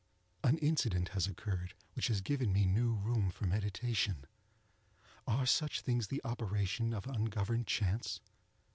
An incident has occurred which has given me new room for meditation. Are such things the operation of ungoverned chance?